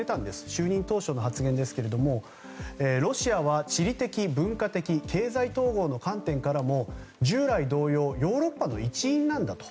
就任当初の発言ですけれどもロシアは地理的文化的経済統合の観点からも従来同様ヨーロッパの一員なんだと。